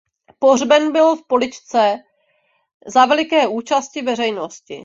Pohřben byl v Poličce za veliké účasti veřejnosti.